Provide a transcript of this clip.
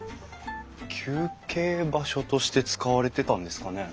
休憩場所として使われてたんですかね？